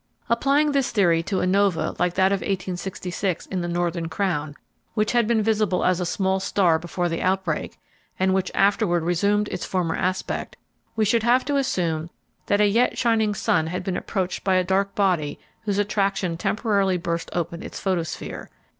Applying this theory to a "nova," like that of 1866 in the "Northern Crown," which had been visible as a small star before the outbreak, and which afterward resumed its former aspect, we should have to assume that a yet shining sun had been approached by a dark body whose attraction temporarily burst open its photosphere.